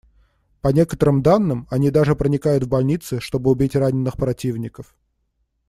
По некоторым данным, они даже проникают в больницы, чтобы убить раненых противников.